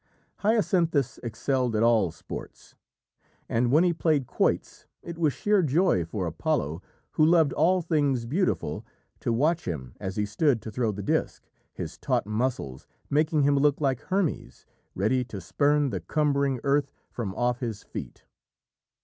Hyacinthus excelled at all sports, and when he played quoits it was sheer joy for Apollo, who loved all things beautiful, to watch him as he stood to throw the disc, his taut muscles making him look like Hermes, ready to spurn the cumbering earth from off his feet.